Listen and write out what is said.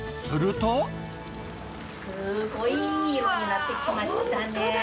すごいいい色になってきまし本当だ。